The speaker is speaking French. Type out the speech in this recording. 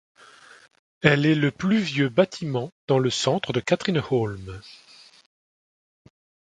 Elle est le plus vieux bâtiment dans le centre de Katrineholm.